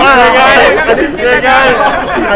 ก็เห็นจริงนะครับ